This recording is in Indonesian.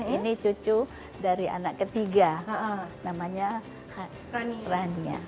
ini cucu dari anak ketiga namanya rania